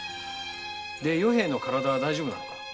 それで与平の体は大丈夫なのか？